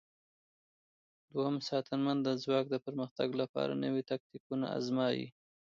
دوهم ساتنمن د ځواک د پرمختګ لپاره نوي تاکتیکونه آزمايي.